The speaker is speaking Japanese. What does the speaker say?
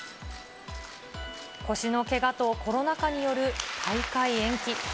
腰のけがとコロナ禍による大会延期。